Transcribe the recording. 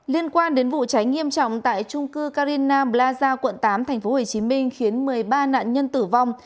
liên quan đến vụ cháy nghiêm trọng tại trung cư carina plaza quận tám tp hcm khiến một mươi ba nạn nhân tử vong